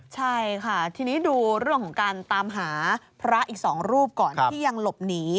ใช่ค่ะทีนี้ดูเรื่องของการตามหาพระอีก๒รูปก่อนที่ยังหลบหนี